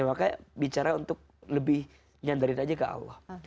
makanya bicara untuk lebih nyandarin aja ke allah